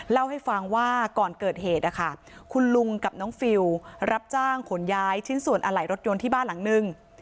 เล่าให้ฟังว่าก่อนเกิดเหตุนะคะคุณลุงกับน้องฟิลรับจ้างขนย้ายชิ้นส่วนอะไหล่รถยนต์ที่บ้านหลังนึง